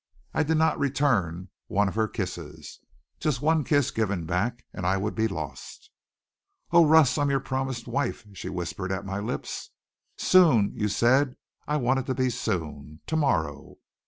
I did not return one of her kisses. Just one kiss given back and I would be lost. "Oh, Russ, I'm your promised wife!" she whispered at my lips. "Soon, you said! I want it to be soon! To morrow!"